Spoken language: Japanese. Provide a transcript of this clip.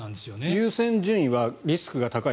優先順位はリスクが高い